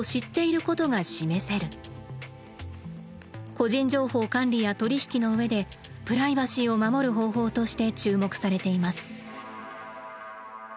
個人情報管理や取り引きの上でプライバシーを守る方法として注目されています。